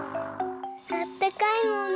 あったかいもんね。